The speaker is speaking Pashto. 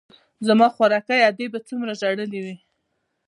زما خواركۍ ادې به څومره ژړلي وي.